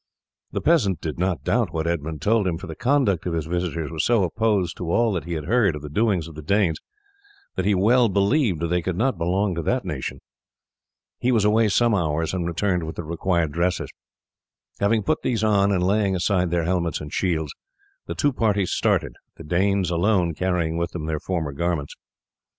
The peasant did not doubt what Edmund told him, for the conduct of his visitors was so opposed to all that he had heard of the doings of the Danes that he well believed they could not belong to that nation. He was away some hours, and returned with the required dresses. Having put these on, and laying aside their helmets and shields, the two parties started, the Danes alone carrying with them their former garments.